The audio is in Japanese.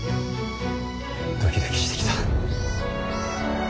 ドキドキしてきた。